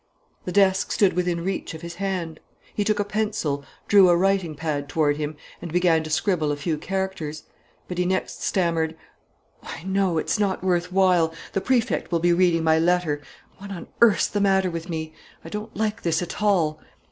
The desk stood within reach of his hand. He took a pencil, drew a writing pad toward him and began to scribble a few characters. But he next stammered: "Why, no, it's not worth while. The Prefect will be reading my letter.... What on earth's the matter with me. I don't like this at all!"